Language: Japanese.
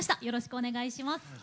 よろしくお願いします。